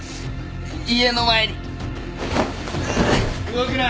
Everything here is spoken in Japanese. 動くな！